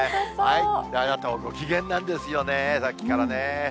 あなたご機嫌なんですよね、さっきからね。